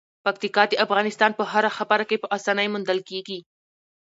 پکتیکا د افغانستان په هره برخه کې په اسانۍ موندل کېږي.